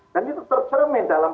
dan itu tercermin dalam